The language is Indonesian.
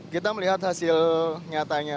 kita melihat hasil nyatanya